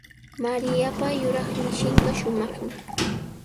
Mariapa yuraq mishinqa shumaqmi.